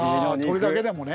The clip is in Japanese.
鳥だけでもね。